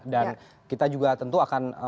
dan kita juga tentu akan